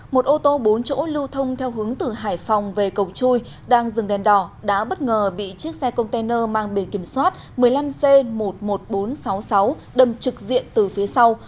một ô tô bốn chỗ lưu thông theo hướng từ hải phòng về cầu chui đang dừng đèn đỏ đã bất ngờ bị chiếc xe container mang bề kiểm soát một mươi năm c một mươi một nghìn bốn trăm sáu mươi sáu đâm trực diện từ phía sau